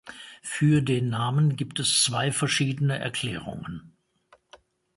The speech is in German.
Für den Namen gibt es zwei verschiedene Erklärungen.